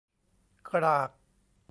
กราก